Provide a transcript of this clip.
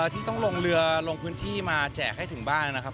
ที่ต้องลงเรือลงพื้นที่มาแจกให้ถึงบ้านนะครับ